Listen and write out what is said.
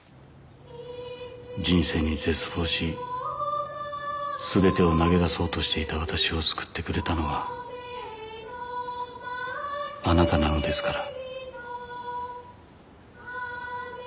「人生に絶望しすべてを投げ出そうとしていた私を救ってくれたのはあなたなのですから」